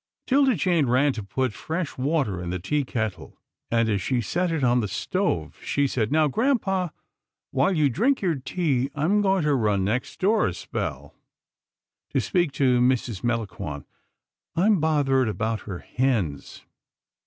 'Tilda Jane ran to put fresh water in the tea kettle, and, as she set it on the stove, she said, " Now, grampa, while you drink your tea, I'm going to run next door a spell, to speak to Mrs. Melangon. I'm bothered about our hens.